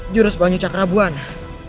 jurus banyu cakrabuana